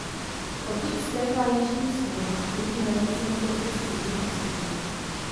Odtud stéká jižním směrem a tvoří hranici mezi okresy Zlín a Vsetín.